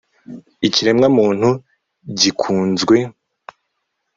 ikiremwamuntu gikunzwe